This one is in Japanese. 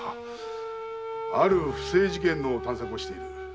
ある不正事件の探索をしている。